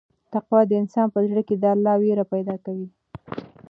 تقوا د انسان په زړه کې د الله وېره پیدا کوي.